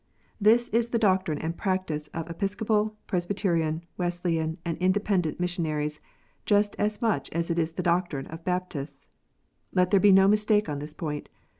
This is the doctrine and practice of Episcopal, Presbyterian, Wesleyan, and Inde pendent missionaries, just as much as it is the doctrine of Baptists. Let there be no mistake on this point.